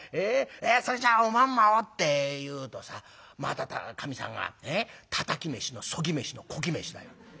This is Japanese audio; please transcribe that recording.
『それじゃおまんまを』って言うとさまたかみさんがたたき飯のそぎ飯のこき飯だよ。